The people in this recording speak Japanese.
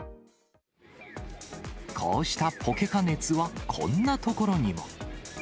こうしたポケカ熱はこんなところにも。